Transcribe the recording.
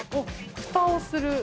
ふたをする？